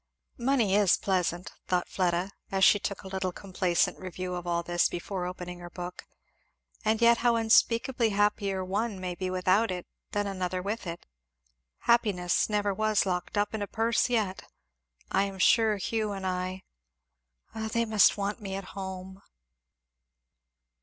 "Money is pleasant," thought Fleda, as she took a little complacent review of all this before opening her book. "And yet how unspeakably happier one may be without it than another with it. Happiness never was locked up in a purse yet. I am sure Hugh and I, They must want me at home!